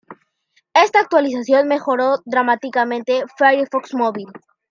Esta actualización mejoró dramáticamente Firefox Móvil.